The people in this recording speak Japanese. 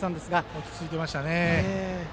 落ち着いていました。